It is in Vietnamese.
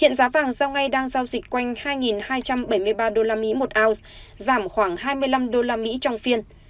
hiện giá vàng giao ngay đang giao dịch quanh hai hai trăm bảy mươi ba usd một ounce giảm khoảng hai mươi năm usd trong phiên